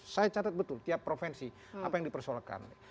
saya catat betul tiap provinsi apa yang dipersoalkan